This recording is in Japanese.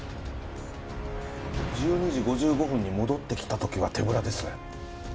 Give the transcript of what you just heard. １２時５５分に戻ってきた時は手ぶらですね。